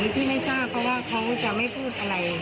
พี่ไม่ทราบเพราะว่าเขาจะไม่พูดอะไร